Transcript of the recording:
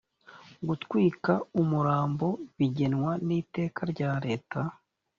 gutwika umurambo bigenwa n’ iteka rya leta